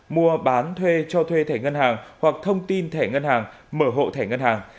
mua bán thuê cho thuê thẻ ngân hàng hoặc thông tin thẻ ngân hàng mở hộ thẻ ngân hàng